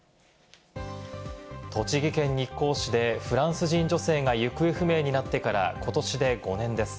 栃木県日光市でフランス人女性が行方不明になってからことしで５年です。